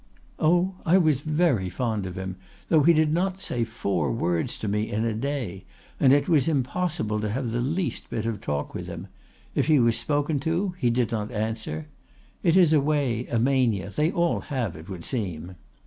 Oh! I was very fond of him, though he did not say four words to me in a day, and it was impossible to have the least bit of talk with him; if he was spoken to, he did not answer; it is a way, a mania they all have, it would seem.